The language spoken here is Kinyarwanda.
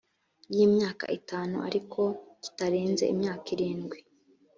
y imyaka itanu ariko kitarenze imyaka irindwi